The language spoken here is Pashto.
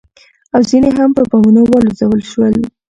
او ځنې هم په بمونو والوزول شول.